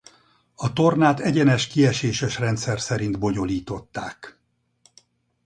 A tornát egyenes kieséses rendszer szerint bonyolították.